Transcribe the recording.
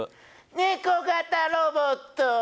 ネコ型ロボット。